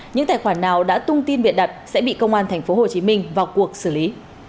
những tài khoản nào đã tung tin biện đặt sẽ bị công an tp hcm vào cuộc xử lý